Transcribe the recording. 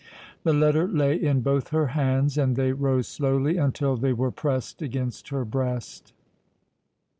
The letter lay in both her hands, and they rose slowly until they were pressed against her breast.